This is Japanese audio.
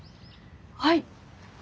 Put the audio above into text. はい。